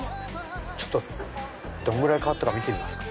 ちょっとどんぐらい変わったか見てみますか。